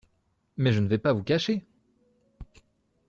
Mais je ne vais pas vous cacher !